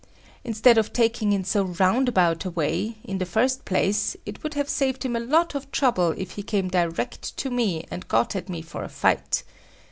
Instead of taking in so roundabout a way, in the first place, it would have saved him a lot of trouble if he came direct to me and got at me for a fight.